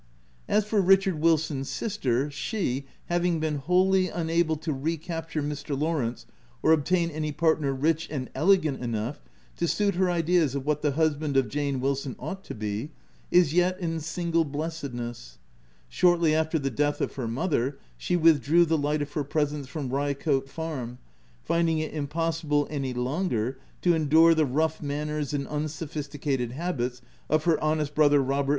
As for Richard Wilson's sister, she, having been wholly unable to re capture Mr. Lawrence or obtain any partner rich and elegant enough to suit her ideas of what the husband of Jane Wilson ought to be, is yet in single blessed ness. Shortly after the death of her mother, she withdrew the light of her presence from Ryecote Farm, finding it impossible any longer to endure the rough manners and unsophis ticated habits of her honest brother Robert OF WILDFELL HALL.